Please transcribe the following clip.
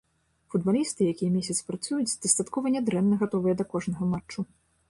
Футбалісты, якія месяц працуюць, дастаткова нядрэнна гатовыя да кожнага матчу.